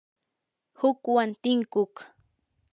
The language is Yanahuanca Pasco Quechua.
hukwan tinkuq